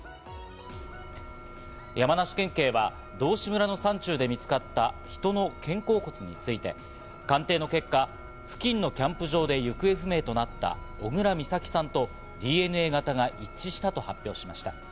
山梨県警は道志村の山中で見つかった、人の肩甲骨について、鑑定の結果、付近のキャンプ場で行方不明となった小倉美咲さんとＤＮＡ型が一致したと発表しました。